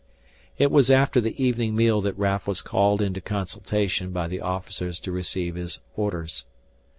It was after the evening meal that Raf was called into consultation by the officers to receive his orders.